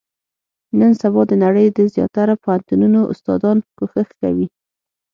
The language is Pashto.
نن سبا، د نړۍ د زیاتره پوهنتونو استادان، کوښښ کوي.